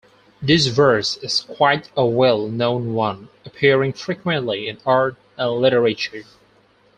This verse is quite a well known one, appearing frequently in art and literature.